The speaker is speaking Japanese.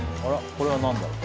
これは何だろう。